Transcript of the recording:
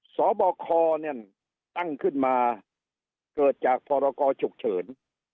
สบคเนี่ยตั้งขึ้นมาเกิดจากพรกรฉุกเฉิน